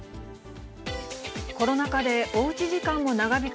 コロナ禍でおうち時間も長引く